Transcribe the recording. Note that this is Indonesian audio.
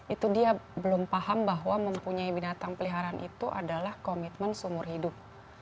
itu dia belum paham bahwa mempunyai binatang peliharaan itu adalah komitmen seumur hidup